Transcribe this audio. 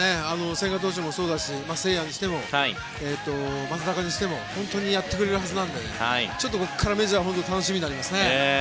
千賀投手もそうだし誠也にしても本当にやってくれるはずなのでちょっとここからメジャー本当に楽しみになりますね。